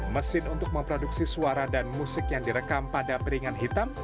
mesin untuk memproduksi suara dan musik yang direkam pada peringan hitam